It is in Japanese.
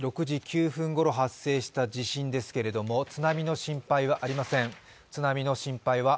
６時９分ごろ発生した地震ですけど津波の心配はありません。